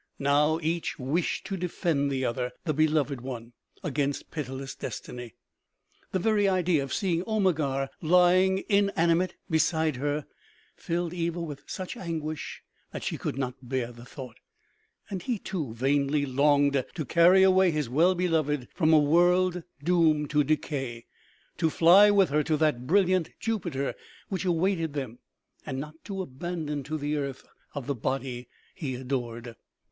Now each wished to defend the other, the beloved one, against pitiless destiny. The very idea of seeing Omegar lying inanimate beside her, filled Kva with such anguish that she could not bear the thought. And he, too, vainly longed to carry away his well beloved from a world doomed to decay, to fly with her to that brilliant Jupiter which awaited them, and not to abandon to the earth the body he adored.